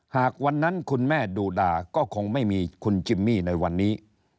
หากวันนั้นคุณแม่ดูดาก็คงไม่มีคุณจิมมี่ในวันนี้